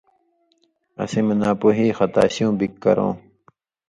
اسی مہ ناپُوہی، خطا شیوں بِگ کرؤں،